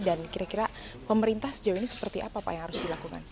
dan kira kira pemerintah sejauh ini seperti apa yang harus dilakukan